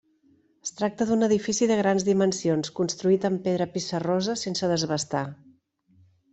Es tracta d'un edifici de grans dimensions, construït amb pedra pissarrosa sense desbastar.